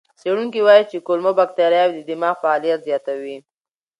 څېړونکي وایي چې کولمو بکتریاوې د دماغ فعالیت زیاتوي.